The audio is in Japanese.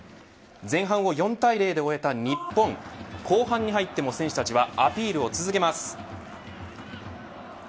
前半を４対０で終えた日本後半に入っても選手たちはアピールを続けます。